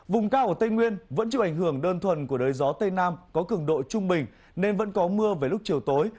vùng cao ở tây nguyên vẫn chịu ảnh hưởng đơn thuần của đới gió tây nam có cường độ trung bình nên vẫn có mưa về lúc chiều tối